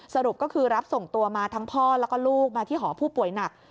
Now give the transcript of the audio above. สรุปก็คือรับส่งตัวมาทั้งพ่อแล้วก็ลูกมาที่หอผู้ป่วยหนัก